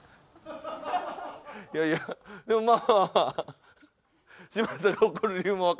いやいやでもまあまあ。